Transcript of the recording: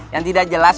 yang tidak jelas